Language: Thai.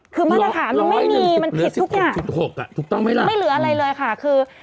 คือมาตรฐานมันไม่มีมันผิดทุกอย่างค่ะไม่เหลืออะไรเลยค่ะคือ